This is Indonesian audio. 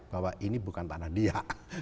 bahwa ini bukan tanah dia